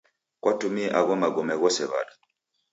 Kwatumie agho magome ghose w'ada?